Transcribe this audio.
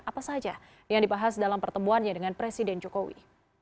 apa saja yang dibahas dalam pertemuannya dengan presiden jokowi